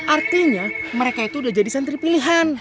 artinya mereka itu udah jadi santri pilihan